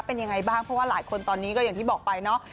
เป็นยังไงบ้างเพราะว่าหลายคนตอนนี้ก็อย่างที่บอกไปเนาะ